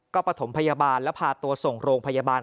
ก็ประถมพยาบาลแล้วพาตัวส่งโรงพยาบาล